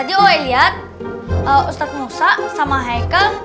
tadi gue liat ustadz musa sama haikal